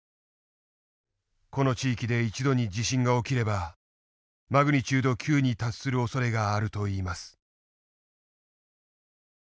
この地域で一度に地震が起きればＭ９．０に達するおそれがあるといいます。